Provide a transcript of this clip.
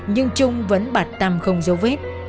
nhưng trung vẫn bạt tăm không dấu vết